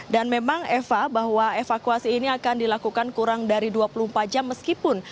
dan memang eva bahwa evakuasi ini akan dilakukan kurang dari dua puluh empat jam meskipun